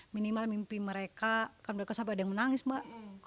minimal mimpi mereka kan mereka sampai ada yang menangis mbak